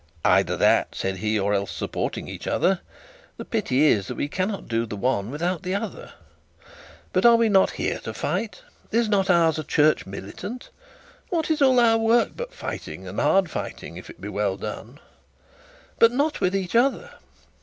'Either that,' said he, 'or else supporting each other. The pity is that we cannot do the one without the other. But are we not here to fight? Is not ours a church militant? What is all our work but fighting, and hard fighting, if it be well done?' 'But not with each other.'